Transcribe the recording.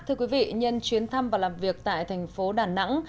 thưa quý vị nhân chuyến thăm và làm việc tại thành phố đà nẵng